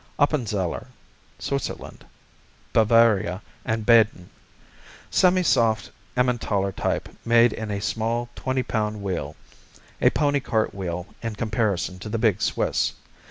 Appenzeller Switzerland, Bavaria and Baden Semisoft Emmentaler type made in a small twenty pound wheel a pony cart wheel in comparison to the big Swiss.